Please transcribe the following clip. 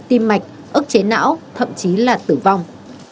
tim mạch ức chế não thậm chí là tử vong